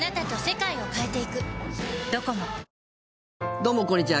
どうもこんにちは。